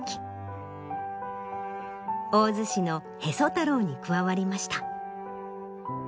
大洲市の「へそ太郎」に加わりました。